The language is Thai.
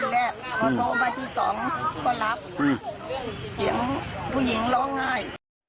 เสียงผู้หญิงร้องไห้